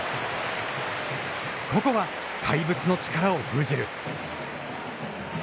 ここは怪物の力を封じる。